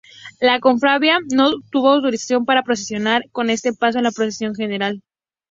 La cofradía no obtuvo autorización para procesionar con este paso en la Procesión General.